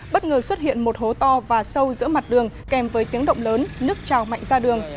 bất ngờ xuất hiện một hố to và sâu giữa mặt đường kèm với tiếng động lớn nước trào mạnh ra đường